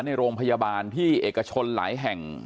ในโรงพยาบาลที่เอกชนหลายแห่ง